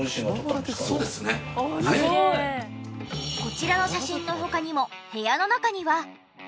すごい！こちらの写真の他にも部屋の中には。